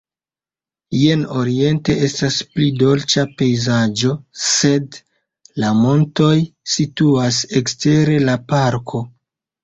Jen oriente estas pli dolĉa pejzaĝo, sed la montoj situas ekstere la parko.